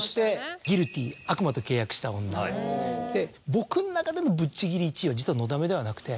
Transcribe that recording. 僕の中でのぶっちぎり１位は実は『のだめ』ではなくて。